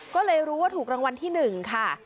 ก็เลยรู้ว่าถูกรางวัลที่๑ค่ะ